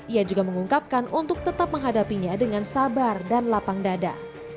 ia juga mengungkapkan untuk tetap menghadapinya dengan sabar dan lapang dada